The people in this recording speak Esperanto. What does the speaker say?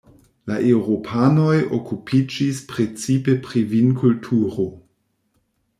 La eŭropanoj okupiĝis precipe pri vinkulturo.